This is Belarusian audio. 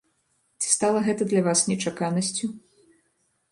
Ці стала гэта для вас нечаканасцю?